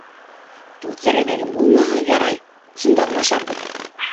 Түҙер әмәлең булмаһа, ярай, ошонда ғына ашарбыҙ.